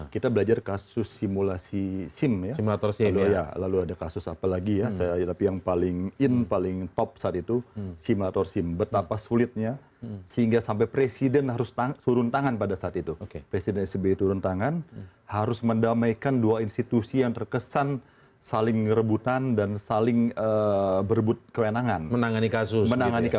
kita belajar asal siml si burst sim